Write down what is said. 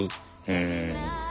うん。